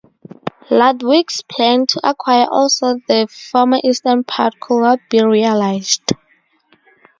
Ludwig's plan to acquire also the former eastern part could not be realized.